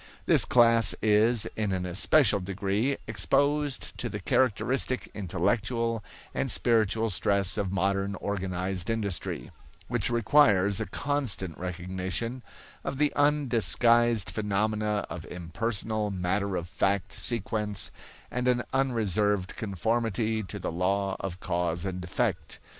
This class is in an especial degree exposed to the characteristic intellectual and spiritual stress of modern organized industry, which requires a constant recognition of the undisguised phenomena of impersonal, matter of fact sequence and an unreserved conformity to the law of cause and effect.